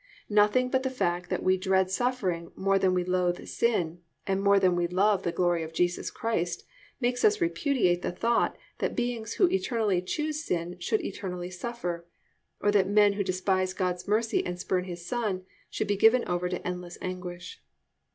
Nothing but the fact that we dread suffering more than we loathe sin, and more than we love the glory of Jesus Christ, makes us repudiate the thought that beings who eternally choose sin should eternally suffer, or that men who despise God's mercy and spurn His Son should be given over to endless anguish.